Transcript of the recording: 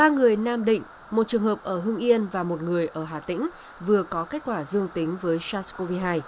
ba người nam định một trường hợp ở hương yên và một người ở hà tĩnh vừa có kết quả dương tính với sars cov hai